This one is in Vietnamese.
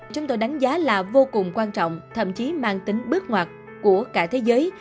chúng tôi đánh giá là vô cùng quan trọng thậm chí mang tính bước ngoặt của cả thế giới